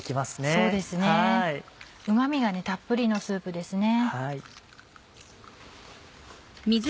そうですねうま味がたっぷりのスープですね。